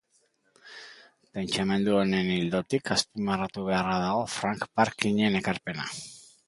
Pentsamendu honen ildotik azpimarratu beharra dago Frank Parkinen ekarpena.